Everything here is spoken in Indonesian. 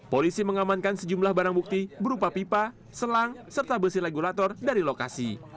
polisi mengamankan sejumlah barang bukti berupa pipa selang serta besi regulator dari lokasi